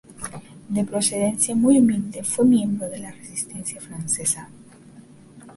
De procedencia muy humilde, fue miembro de la Resistencia francesa.